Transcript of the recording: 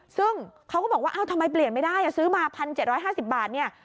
ซึ่งเขาก็บอกว่าทำไมเปลี่ยนไม่ได้ซื้อมา๑๗๕๐บาทเนี่ย